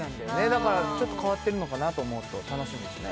だからちょっと変わってるのかなと思うと楽しみですね